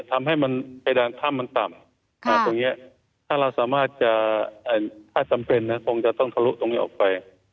ทำให้เพดานถ้ำมันต่ำตรงนี้ถ้าเราสามารถจะถ้าจำเป็นนะคงจะต้องทะลุตรงนี้ออกไป